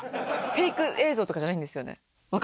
フェイク映像とかじゃないんですよね？